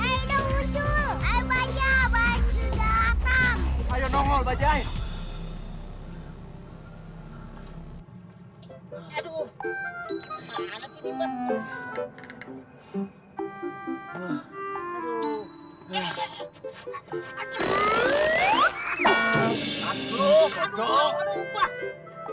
aduh kemana sini mbak